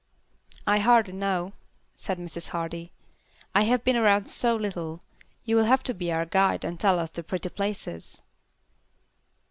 "I hardly know," said Mrs. Hardy. "I have been around so little; you will have to be our guide and tell us the pretty places."